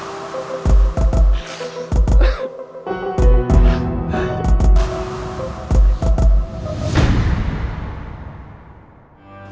sukar suuya kita